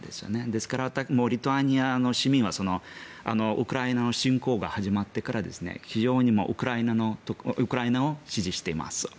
ですから、リトアニアの市民はウクライナの侵攻が始まってから非常にウクライナを支持しています。